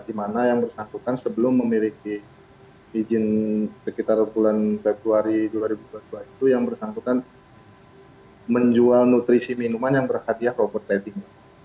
di mana yang bersangkutan sebelum memiliki izin sekitar bulan februari dua ribu dua puluh dua itu yang bersangkutan menjual nutrisi minuman yang berhadiah robot trading